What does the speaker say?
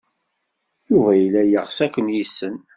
Yuba yella yeɣs ad ken-yessen.